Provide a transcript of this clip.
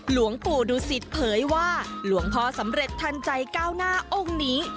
หลวงปู่ดูสิตเผยว่าหลวงพ่อสำเร็จทันใจก้าวหน้าองค์นี้